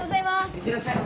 いってらっしゃい。